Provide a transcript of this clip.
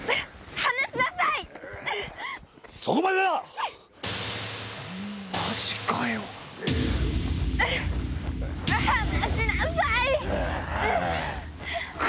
離しなさい！